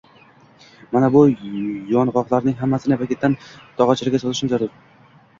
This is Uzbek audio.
“Mana bu yong‘oqlarning hammasini paketdan tog‘orachaga joylashim zarur”.